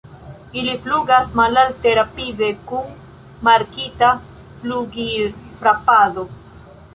Ili flugas malalte, rapide, kun markita flugilfrapado.